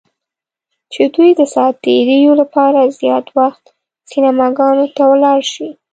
چې دوی د ساعت تیریو لپاره زیات وخت سینماګانو ته ولاړ شي.